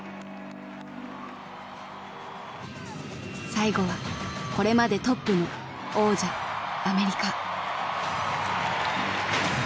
最後はこれまでトップの王者アメリカ。